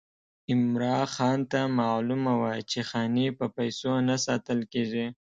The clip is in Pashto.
عمرا خان ته معلومه وه چې خاني په پیسو نه ساتل کېږي.